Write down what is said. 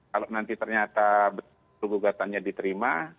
kalau nanti ternyata tuguh gatannya diterima